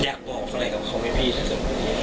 อยากบอกอะไรกับเขาไหมพี่ถ้าเกิด